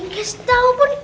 gak tau pun